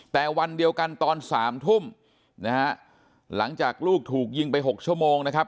แต่วันเดียวกันตอนสามทุ่มนะฮะหลังจากลูกถูกยิงไปหกชั่วโมงนะครับ